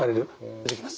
出てきます。